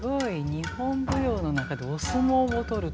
日本舞踊の中でお相撲を取るという。